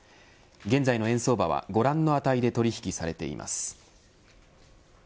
現在の円相場は、ご覧の値で取り引きされています。